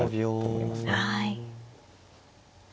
はい。